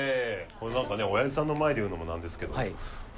この何かねおやじさんの前で言うのも何ですけど。